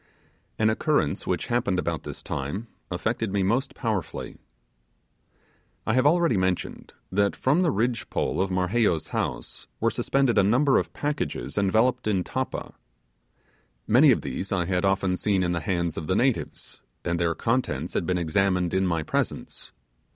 An occurrence which happened about this time affected me most powerfully. I have already mentioned that from the ridge pole of Marheyo's house were suspended a number of packages enveloped in tappa. Many of these I had often seen in the hands of the natives, and their contents had been examined in my presence.